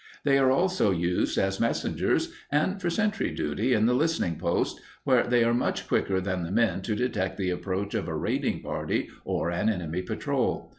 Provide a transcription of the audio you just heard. They are also used as messengers and for sentry duty in the listening posts, where they are much quicker than the men to detect the approach of a raiding party or an enemy patrol.